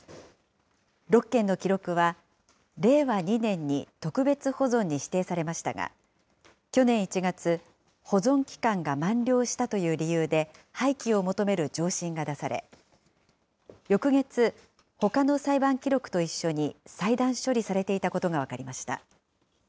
６件の記録は、令和２年に特別保存に指定されましたが、去年１月、保存期間が満了したという理由で廃棄を求める上申が出され、翌月、ほかの裁判記録と一緒に細断処理されていたことが分かりました。